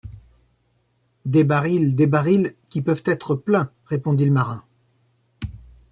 Des barils, des barils, qui peuvent être pleins répondit le marin.